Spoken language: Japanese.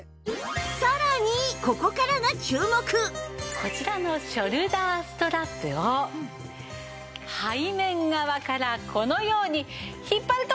さらにこちらのショルダーストラップを背面側からこのように引っ張るとエイッ！